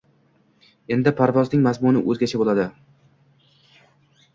endi parvozning mazmuni o‘zgacha bo‘ladi